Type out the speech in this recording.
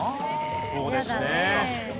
そうですね。